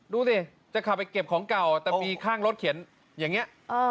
ดูสิจะขับไปเก็บของเก่าแต่มีข้างรถเขียนอย่างนี้